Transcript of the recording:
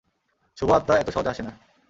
শুভ আত্মা এত সহজে আসে না।